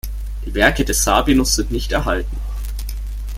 Die Werke des Sabinus sind nicht erhalten.